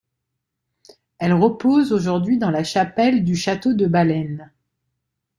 Elle repose aujourd'hui dans la chapelle du château de Balaine.